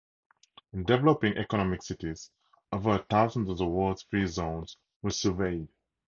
In developing economic cities, over a thousand of the world's free zones were surveyed.